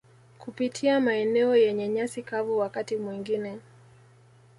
kupitia maeneo yenye nyasi kavu wakati mwingine